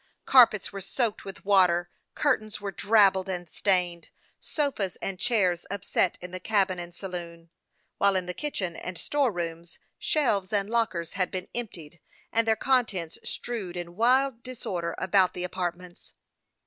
Carpets were soaked with water, curtains were drabbled and stained, sofas and chairs upset in the cabin and sa loon ; while in the kitchen and store rooms, shelves and lockers had been emptied, and their contents strewed in wild disorder about the apartments.